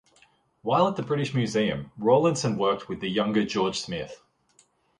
While at the British Museum, Rawlinson worked with the younger George Smith.